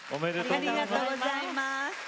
ありがとうございます。